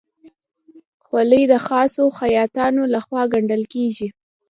خولۍ د خاصو خیاطانو لهخوا ګنډل کېږي.